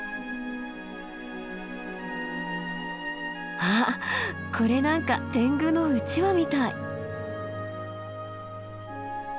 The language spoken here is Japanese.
あっこれなんか天狗のうちわみたい。